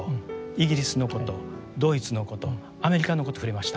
イギリスのことドイツのことアメリカのこと触れました。